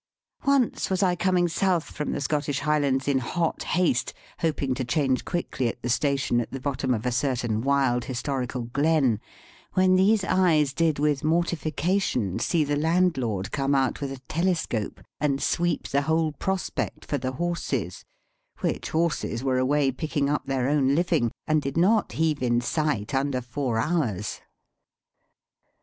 Once was I coming south from the Scottish Highlands in hot haste, hoping to change quickly at the station at the bottom of a certain wild historical glen, when these eyes did with mortification see the landlord come out with a telescope and sweep the whole prospect for the horses; which horses were away picking up their own living, and did not heave in sight under four hours.